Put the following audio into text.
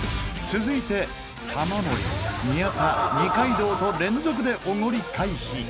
続いて玉森、宮田、二階堂と連続でおごり回避！